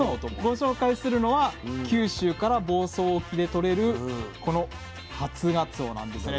ご紹介するのは九州から房総沖で取れるこの初がつおなんですね。